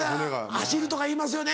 走るとか言いますよね